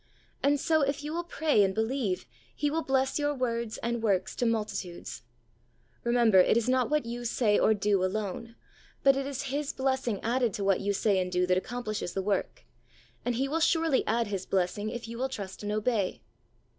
And so, if you will pray and believe. He will bless your words and works to multitudes. Remember, it is not what you say or do alone, but it is His blessing added to what you say and do that accomplishes the work, and He will surely add His blessing if you will trust and obey.